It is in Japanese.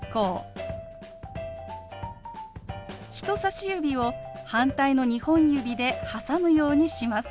人さし指を反対の２本指で挟むようにします。